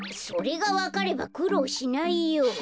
それがわかればくろうしないよ。